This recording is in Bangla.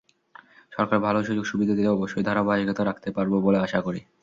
সরকার ভালো সুযোগ-সুবিধা দিলে অবশ্যই ধারাবাহিকতা রাখতে পারব বলে আশা করি।